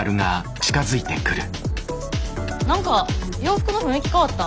何か洋服の雰囲気変わった？